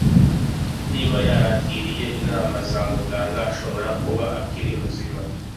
Niba yarakiriye inama za muganga ashobora kuba akiri muzima